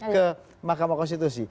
ke mahkamah konstitusi